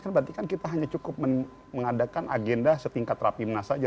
berarti kan kita hanya cukup mengadakan agenda setingkat rapimnas saja